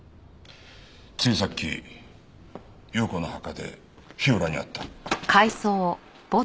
ついさっき有雨子の墓で火浦に会った。